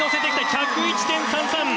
１０１．３３！